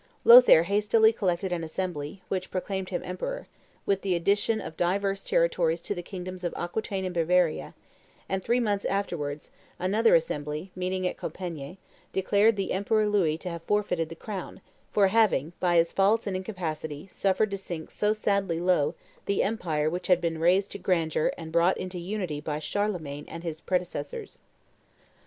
Lothaire hastily collected an assembly, which proclaimed him emperor, with the addition of divers territories to the kingdoms of Aquitaine and Bavaria: and, three months afterwards, another assembly, meeting at Compiegne, declared the Emperor Louis to have forfeited the crown, "for having, by his faults and incapacity, suffered to sink so sadly low the empire which had been raised to grandeur and brought into unity by Charlemagne and his predecessors."